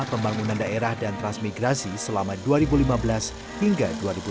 pembangunan daerah dan transmigrasi selama dua ribu lima belas hingga dua ribu dua puluh